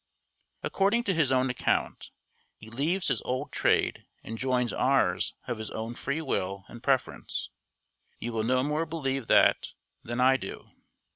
According to his own account, he leaves his old trade and joins ours of his own free will and preference. You will no more believe that than I do.